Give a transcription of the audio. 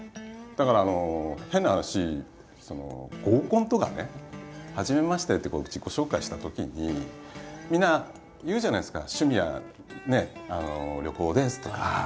だから変な話合コンとかね「はじめまして」って自己紹介したときにみんな言うじゃないですか「趣味は旅行です」とか。